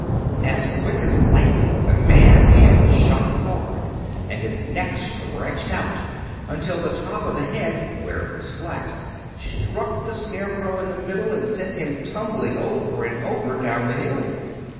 As quick as lightning the man's head shot forward and his neck stretched out until the top of the head, where it was flat, struck the Scarecrow in the middle and sent him tumbling, over and over, down the hill.